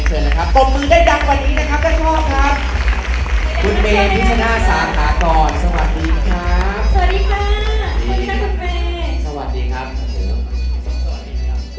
ขอบมือได้ดังกว่านี้นะครับ